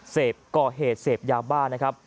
ก่อเหตุเสพยาบ้านะครับ